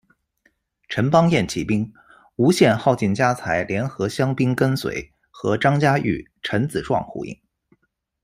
陈邦彦起兵，吴献耗尽家财联合乡兵跟随，和张家玉、陈子壮呼应。